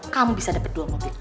kamu bisa dapet dua mobil